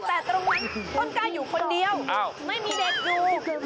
แต่ตรงนั้นคนกายอยู่คนเดียวไม่มีเด็กอยู่